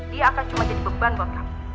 dia akan cuma jadi beban buat kamu